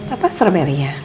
apa strawberry ya